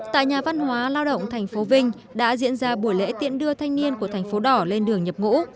tại nhà văn hóa lao động tp vinh đã diễn ra buổi lễ tiện đưa thanh niên của tp đỏ lên đường nhập ngũ